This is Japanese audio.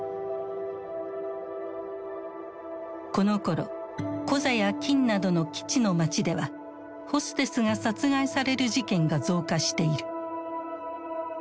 このころコザや金武などの基地の街ではホステスが殺害される事件が増加している。